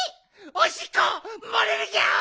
おしっこもれるギャオ！